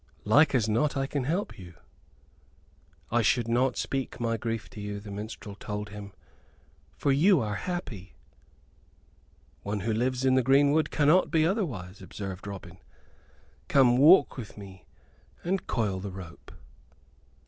Like as not I can help you." "I should not speak my grief to you," the minstrel told him, "for you are happy." "One who lives in the greenwood cannot be otherwise," observed Robin. "Come, walk with me, and coil the rope."